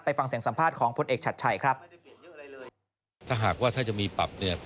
ไปฟังเสียงสัมภาษณ์ของผลเอกชัดชัยครับ